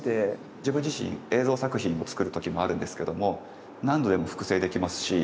自分自身映像作品を作る時もあるんですけども何度でも複製できますし。